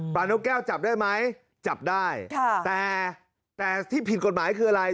นกแก้วจับได้ไหมจับได้แต่แต่ที่ผิดกฎหมายคืออะไร